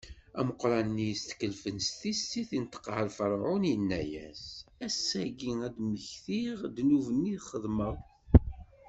Ameqran-nni yestkellfen s tissit inṭeq ɣer Ferɛun, inna-as: Ass-agi, ad d-mmektiɣ ddnub-nni i xedmeɣ.